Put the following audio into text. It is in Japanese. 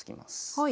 はい。